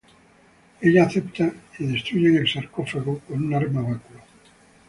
Ella acepta y destruyen el Sarcófago con un arma báculo.